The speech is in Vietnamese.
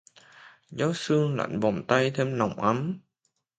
Gió sương lạnh vòng tay thêm nồng ấm